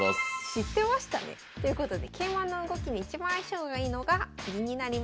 知ってましたね。ということで桂馬の動きに一番相性がいいのが銀になります。